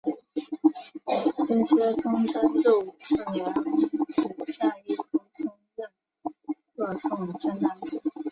金宣宗贞佑四年仆散毅夫充任贺宋正旦使。